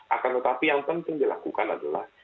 akan tetapi yang penting dilakukan adalah